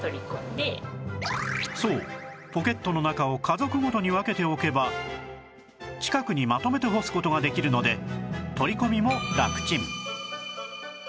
そうポケットの中を家族ごとに分けておけば近くにまとめて干す事ができるので取り込みもラクチン